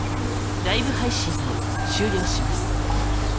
ライブ配信を終了します。